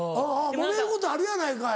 もめることあるやないかい。